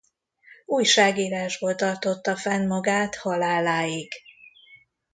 Újságírásból tartotta fenn magát haláláig.